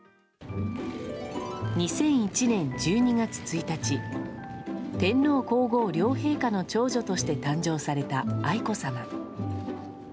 ２００１年１２月１日天皇・皇后両陛下の長女として誕生された愛子さま。